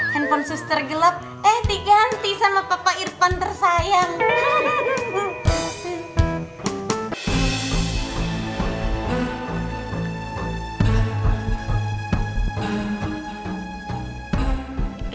handphone suster gelap eh diganti sama papa irfan tersayang